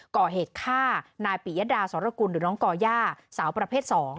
ก่อเหตุฆ่านายปิยดาสรกุลหรือน้องก่อย่าสาวประเภท๒